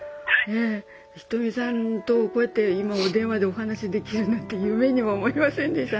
ひとみさんとこうやって今お電話でお話しできるなんて夢にも思いませんでした。